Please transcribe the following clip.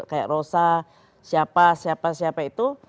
kayak rosa siapa siapa itu